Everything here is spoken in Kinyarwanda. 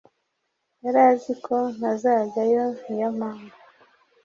Yaraziko ntazajyayo niyo mpamvu